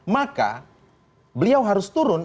maka beliau harus turun